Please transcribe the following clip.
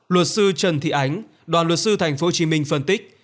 luật sư trần thị ánh đoàn luật sư tp hcm phân tích